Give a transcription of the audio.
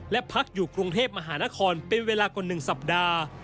และพักอยู่กรุงเทพมหานครเป็นเวลากว่า๑สัปดาห์